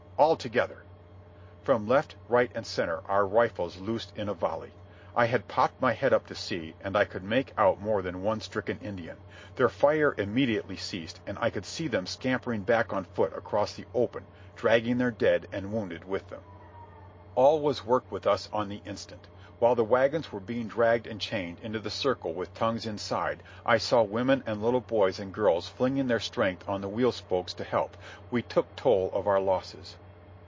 all together!" From left, right, and centre our rifles loosed in a volley. I had popped my head up to see, and I could make out more than one stricken Indian. Their fire immediately ceased, and I could see them scampering back on foot across the open, dragging their dead and wounded with them. All was work with us on the instant. While the wagons were being dragged and chained into the circle with tongues inside—I saw women and little boys and girls flinging their strength on the wheel spokes to help—we took toll of our losses.